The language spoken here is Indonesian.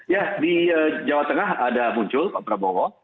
ya di jawa tengah ada muncul pak prabowo